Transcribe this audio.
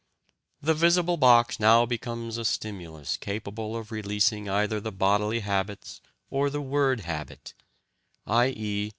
The visible box now becomes a stimulus capable of releasing either the bodily habits or the word habit, i.e.